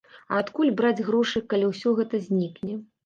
А адкуль браць грошы, калі ўсё гэта знікне?